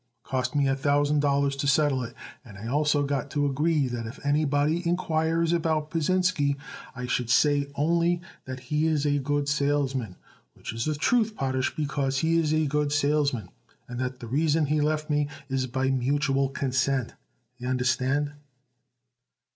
Cost me a thousand dollars to settle it, and I also got to agree that if anybody inquires about Pasinsky I should say only that he is a good salesman which is the truth, Potash, because he is a good salesman and that the reason he left me is by mutual consent, y'understand?"